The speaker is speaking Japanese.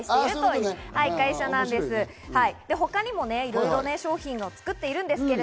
他にもいろいろ商品を作っています。